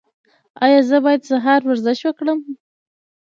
ایا زه باید سهار ورزش وکړم؟